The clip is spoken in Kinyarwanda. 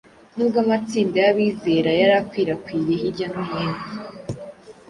Nubwo amatsinda y’abizera yari akwirakwiye hirya no hino,